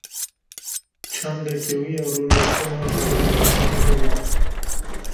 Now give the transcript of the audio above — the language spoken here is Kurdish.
Çandeke wî ya rûniştina li ber maseyê hebû.